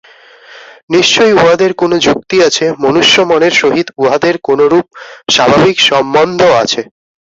নিশ্চয়ই উহাদের কোন যুক্তি আছে, মনুষ্য-মনের সহিত উহাদের কোনরূপ স্বাভাবিক সম্বন্ধ আছে।